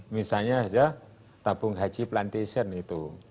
misalnya saja tabung haji plantation itu